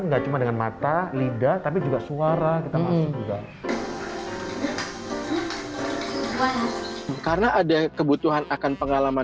enggak cuma dengan mata lidah tapi juga suara kita masuk juga karena ada kebutuhan akan pengalaman